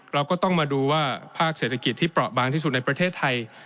เราก็ต้องมาดูว่าภาคเศรษฐกิจที่เปราะบางที่สุดในประเทศไทย